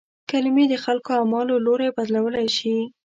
کلمې د خلکو اعمالو لوری بدلولای شي.